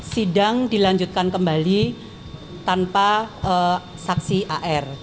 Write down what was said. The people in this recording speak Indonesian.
sidang dilanjutkan kembali tanpa saksi ar